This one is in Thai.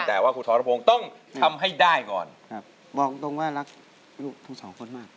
แต่ว่าคุณธรพงศ์ต้องทำให้ได้ก่อนครับบอกตรงตรงว่ารักลูกทั้งสองคนมาก